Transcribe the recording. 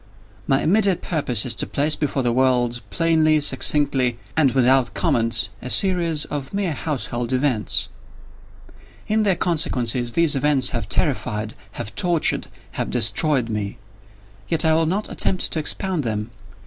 My immediate purpose is to place before the world, plainly, succinctly, and without comment, a series of mere household events. In their consequences, these events have terrified—have tortured—have destroyed me. Yet I will not attempt to expound them.